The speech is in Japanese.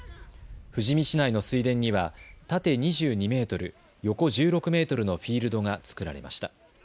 富士見市内の水田には縦２２メートル、横１６メートルのフィールドが作られました。